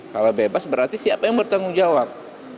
kalau bebas berarti siapa yang bertanggung jawab